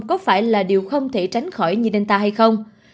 có phải là điều không thể tránh khỏi như nên ta hay không